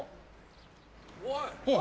・おい！